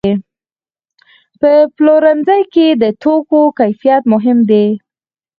په پلورنځي کې د توکو کیفیت مهم دی.